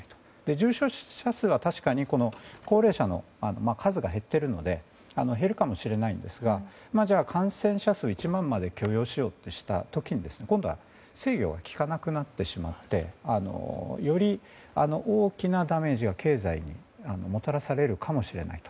重症者数は確かに高齢者の数が減っているので減るかもしれないんですがじゃあ、感染者数が１万人まで許容しようとしたときに今度は制御がきかなくなってしまってより大きなダメージが経済にもたらされるかもしれないと。